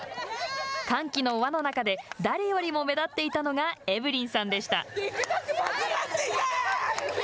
歓喜の輪の中で誰よりも目立っていたのがエブリンさんでした。